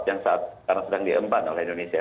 yang saat sekarang sedang diemban oleh indonesia